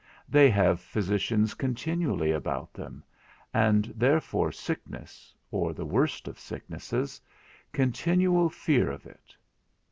They have physicians continually about them, and therefore sickness, or the worst of sicknesses, continual fear of it.